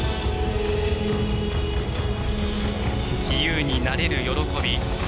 自由になれる喜び。